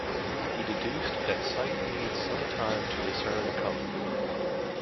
He deducted that sight needs some time to discern a color.